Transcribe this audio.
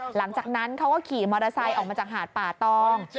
หลังจากนั้นเขาก็ขี่มอเตอร์ไซค์ออกมาจากหาดป่าตอง